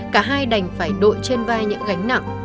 cả hai đành phải đội trên vai những gánh nặng